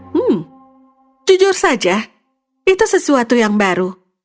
hmm jujur saja itu sesuatu yang baru